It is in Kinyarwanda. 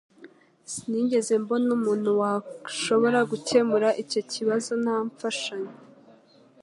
Sinigeze mbona umuntu washobora gukemura icyo kibazo nta mfashanyo